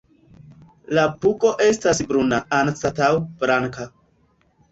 La pugo estas bruna anstataŭ blanka.